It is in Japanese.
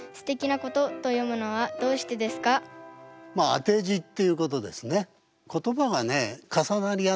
まあ当て字っていうことですね。